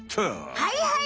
はいはい！